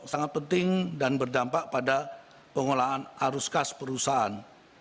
sangat penting dan berdampak pada pengolahan arus kas perusahaan